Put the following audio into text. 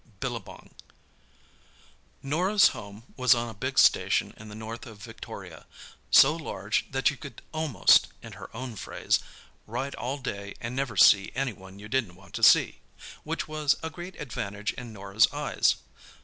BILLABONG Norah's home was on a big station in the north of Victoria—so large that you could almost, in her own phrase, "ride all day and never see any one you didn't want to see"; which was a great advantage in Norah's eyes.